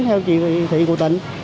theo chỉ huy thị của tỉnh